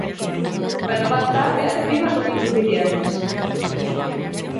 Pero van tarde e enriba son insuficientes.